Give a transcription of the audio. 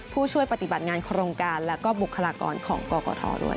ผู้ช่วยปฏิบัติงานโครงการและก็บุคลากรของกกทด้วย